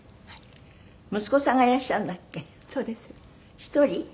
１人？